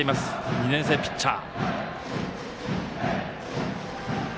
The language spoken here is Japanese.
２年生ピッチャー。